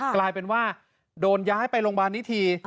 กลายเป็นว่าโดนย้ายไปโรงพยาบาลนี้ที